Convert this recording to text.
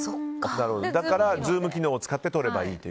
だからズーム機能を使って撮ればいいと。